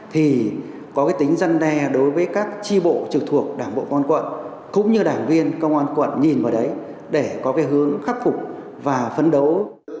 thì có cái tính dân đe đối với các tri bộ trực thuộc đảng bộ công an quận cũng như đảng viên công an quận nhìn vào đấy để có cái hướng khắc phục và phấn đấu